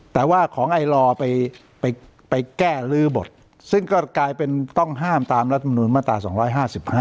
แต่ว่าของไอรอไปไปแก้ลื้อบทซึ่งก็กลายเป็นต้องห้ามตามรัฐมนุนมาตราสองร้อยห้าสิบห้า